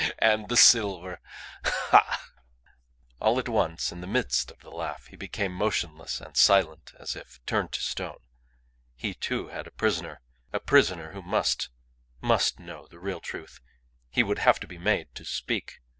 ha! and the silver. Ha! All at once, in the midst of the laugh, he became motionless and silent as if turned into stone. He too, had a prisoner. A prisoner who must, must know the real truth. He would have to be made to speak.